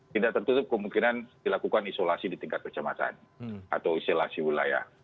tidak tertutup kemungkinan dilakukan isolasi di tingkat kecamatan atau isolasi wilayah